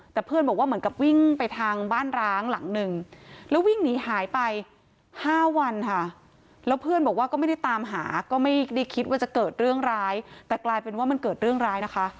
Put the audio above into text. แต่กลายเป็นว่ามันเกิดเรื่องร้ายนะคะ